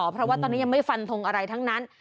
เพราะว่าตอนนี้ยังไม่ฟันทงอะไรทั้งนั้น